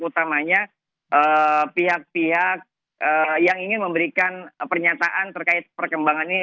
utamanya pihak pihak yang ingin memberikan pernyataan terkait perkembangan ini